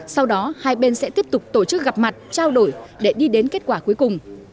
sau đó hai bên sẽ tiếp tục tổ chức gặp mặt trao đổi để đi đến kết quả cuối cùng